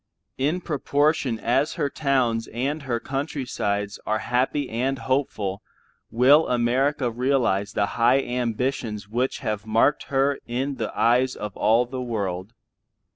In proportion as her towns and her country sides are happy and hopeful will America realize the high ambitions which have marked her in the eyes of all the world.